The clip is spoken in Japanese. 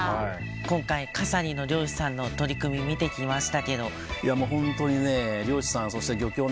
今回笠利の漁師さんの取り組み見てきましたけど。